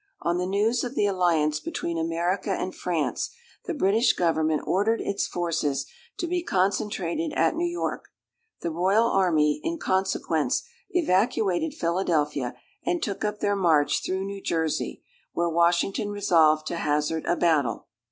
On the news of the alliance between America and France, the British Government ordered its forces to be concentrated at New York. The royal army, in consequence, evacuated Philadelphia, and took up their march through New Jersey, where Washington resolved to hazard a battle.